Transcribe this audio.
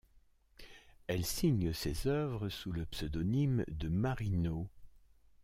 Elle signe ses œuvres sous le pseudonyme de Marino.